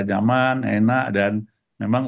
nyaman enak dan memang